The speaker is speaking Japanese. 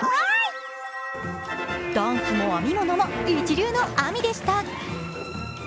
ダンスも編み物も一流のＡＭＩでした